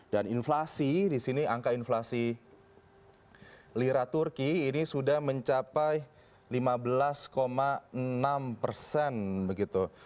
dan inflasi di sini angka inflasi lira turki ini sudah mencapai lima belas enam persen begitu